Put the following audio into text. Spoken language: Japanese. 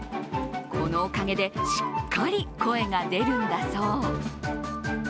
このおかげで、しっかり声が出るんだそう。